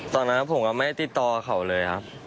ตอนนั้นผมก็ไม่ติดต่อเขาเลยครับ